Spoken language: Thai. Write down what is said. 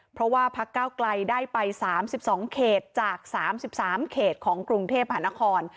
เพราะว่าพักเก้าไกลได้ไป๓๒เขตจาก๓๓เขตของกรุงเทพหานคร